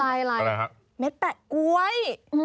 อะไรแบบกล้วย